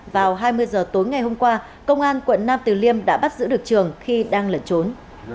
vào hai mươi giờ tối ngày hôm qua công an quận nam từ liêm đã bắt giữ được trường khi đang lẩn trốn